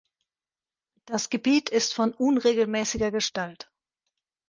Das Gebiet ist von unregelmäßiger Gestalt.